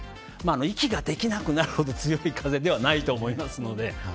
息ができなくなるほど強い風ではないと思いますので。